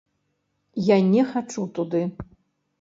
Я не хачу туды.